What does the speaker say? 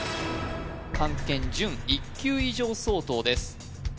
漢検準１級以上相当です